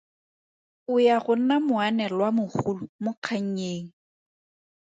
O ya go nna moanelwamogolo mo kgannyeng.